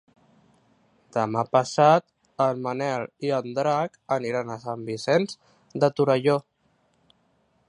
Demà passat en Manel i en Drac aniran a Sant Vicenç de Torelló.